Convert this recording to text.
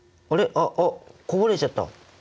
ああこぼれちゃった！